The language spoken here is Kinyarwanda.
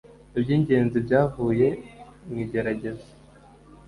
Iby ingenzi byavuye mu igerageza